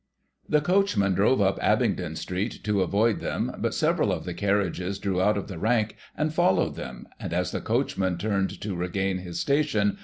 The coachman drove up Abingdon Street to avoid them, but several of the carriages drew out of the rank, and followed them, and, as the coachman turned to regain his station.